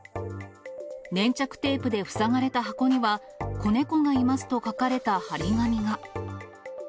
粘着テープで塞がれた箱には、子猫がいますと書かれた貼り紙が。